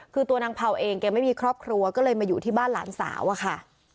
คือตัวนางเผาเองแกไม่มีครอบครัวก็เลยมาอยู่ที่บ้านหลานสาวอะค่ะ